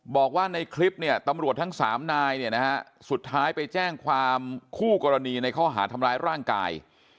บอกว่าในคลิปเนี่ยตำรวจทั้ง๓นายเนี่ยนะฮะสุดท้ายไปแจ้งความคู่กรณีในข้อหาทำร้ายร่างกาย